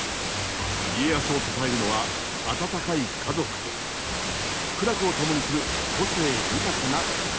家康を支えるのは温かい家族と苦楽を共にする個性豊かな家臣たち。